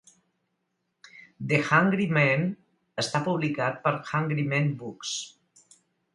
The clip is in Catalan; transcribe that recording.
"The Hungry Man" està publicat per Hungry Man Books.